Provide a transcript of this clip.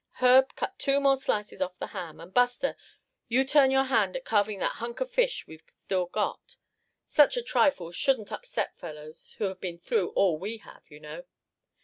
Herb, cut two more slices off the ham, and Buster, you turn your hand at carving that hunk of fish we've still got. Such a trifle shouldn't upset fellows who had been through all we have, you know."